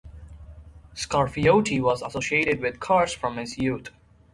Scarfiotti was associated with cars from his youth.